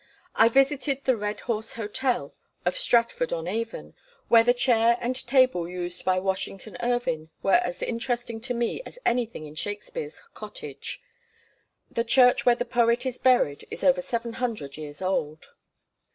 I visited the "Red Horse Hotel," of Stratford on Avon, where the chair and table used by Washington Irving were as interesting to me as anything in Shakespeare's cottage. The church where the poet is buried is over seven hundred years old.